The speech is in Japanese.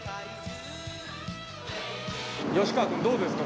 吉川君どうですか？